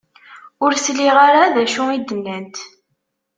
Ur sliɣ ara d acu i d-nnant